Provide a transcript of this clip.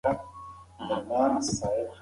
سکرینونه به سم وکارول شي.